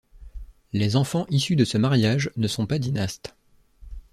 Les enfants issus de ce mariage ne sont pas dynastes.